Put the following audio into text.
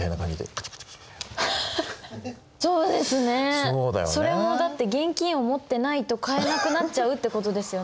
それもだって現金を持ってないと買えなくなっちゃうってことですよね。